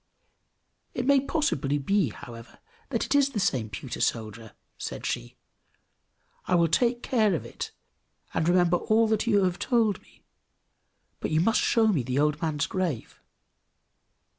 "It may possibly be, however, that it is the same pewter soldier!" said she. "I will take care of it, and remember all that you have told me; but you must show me the old man's grave!"